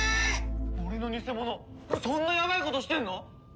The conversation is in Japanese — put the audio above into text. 俺の偽者そんなやばいことしてんの？